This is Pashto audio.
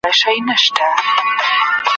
علما باید چوپ پاته نسي.